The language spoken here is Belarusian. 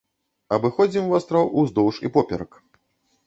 Абыходзім востраў уздоўж і поперак.